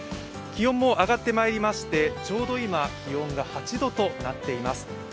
気温も上がってまいりまして、ちょうど今、気温が８度となっています。